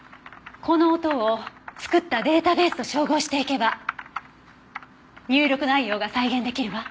この音を作ったデータベースと照合していけば入力内容が再現出来るわ。